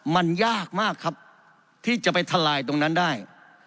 มันยากมากครับที่จะไปทลายตรงนั้นได้